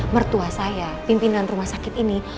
mertua saya pimpinan rumah sakit ini